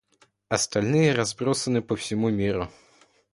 Остальные разбросаны по всему миру.